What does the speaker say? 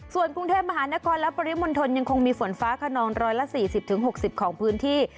ส่วนกรุงเทพมหานครและปริมณฑลยังคงมีฝนฟ้าขนอง๑๔๐๖๐ของพื้นที่